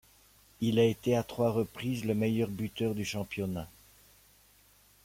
Il a été à trois reprises le meilleur buteur du championnat.